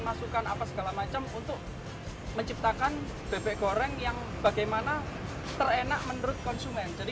masukan apa segala macam untuk menciptakan bebek goreng yang bagaimana terenak menurut konsumen jadi